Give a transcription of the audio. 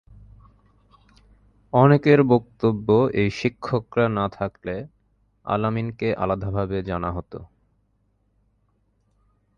অনেকের বক্তব্য এই শিক্ষকরা না থাকলে আল-আমিনকে আলাদাভাবে জানা হত।